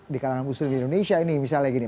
di kalangan muslim di indonesia ini misalnya gini